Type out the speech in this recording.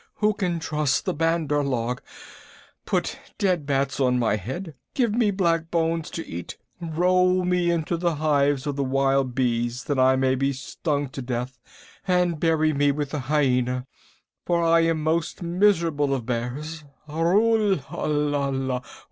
Who can trust the Bandar log? Put dead bats on my head! Give me black bones to eat! Roll me into the hives of the wild bees that I may be stung to death, and bury me with the Hyaena, for I am most miserable of bears! Arulala!